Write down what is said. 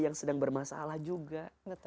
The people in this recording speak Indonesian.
yang sedang bermasalah juga